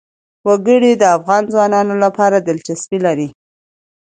وګړي د افغان ځوانانو لپاره دلچسپي لري.